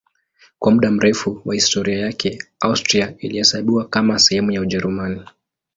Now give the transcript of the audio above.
Kwa muda mrefu wa historia yake Austria ilihesabiwa kama sehemu ya Ujerumani.